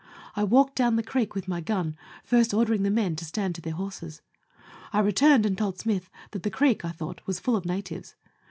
I walked down the creek with my gun, first ordering the men to stand to their horses. I returned and told Smyth that the creek, I thought, was full of natives.